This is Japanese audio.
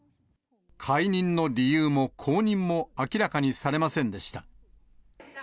解任の理由も、後任も明らかにされませんでした。